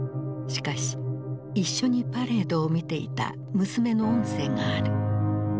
しかし一緒にパレードを見ていた娘の音声がある。